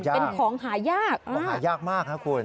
เป็นของหายากของหายากมากนะคุณ